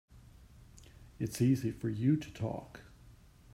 It's easy for you to talk.